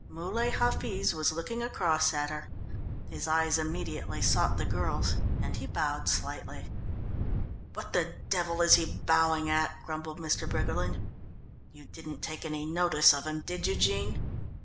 Muley Hafiz was looking across at her; his eyes immediately sought the girl's, and he bowed slightly. "What the devil is he bowing at?" grumbled Mr. Briggerland. "You didn't take any notice of him, did you, Jean?"